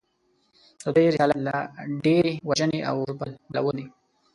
د دوی رسالت لا ډېرې وژنې او اوربلول دي